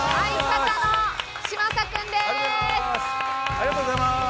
ありがとうございます。